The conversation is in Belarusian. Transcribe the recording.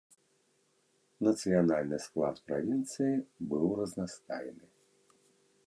Нацыянальны склад правінцыі быў разнастайны.